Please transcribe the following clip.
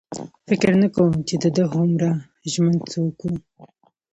فکر نه کوم چې د ده هومره ژمن څوک و.